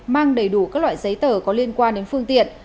mang đầy đủ các loại giấy tờ có liên quan đến phương tiện